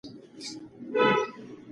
هغه هیله من و چې خدای به ورسره مرسته وکړي.